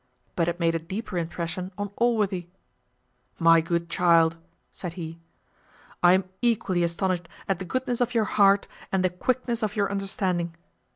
But it made a deeper impression on Allworthy. "My good child," said he, "I am equally astonished at the goodness of your heart, and the quickness of your understanding.